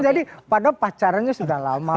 jadi padahal pacarannya sudah lama